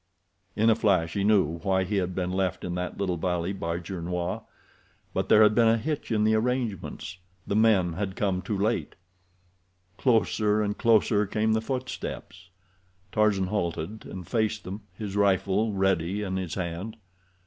In a flash he knew why he had been left in that little valley by Gernois; but there had been a hitch in the arrangements—the men had come too late. Closer and closer came the footsteps. Tarzan halted and faced them, his rifle ready in his hand.